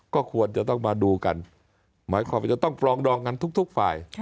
ก็ควรจะต้องมาดูกันหมายความว่าจะต้องปรองดองกันทุกฝ่าย